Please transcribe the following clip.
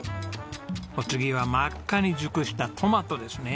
お次は真っ赤に熟したトマトですね。